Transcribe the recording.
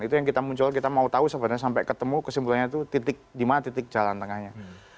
itu yang kita muncul kita mau tahu sebenarnya sampai ketemu kesimpulannya itu titik di mana titik jalan tengahnya